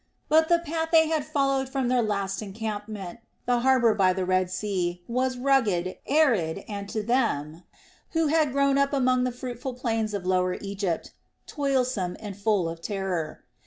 But the path they had followed from their last encampment, the harbor by the Red Sea, was rugged, arid, and to them, who had grown up among the fruitful plains of Lower Egypt, toilsome and full of terror.